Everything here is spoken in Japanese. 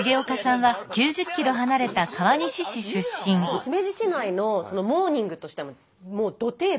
姫路市内のモーニングとしてはもうど定番。